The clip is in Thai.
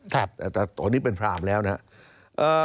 แต่ตอนนี้เป็นพรามแล้วนะครับ